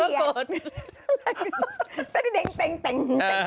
อย่างนี้เมื่อก่อน